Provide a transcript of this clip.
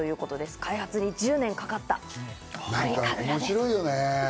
開発に１０年かかったということです。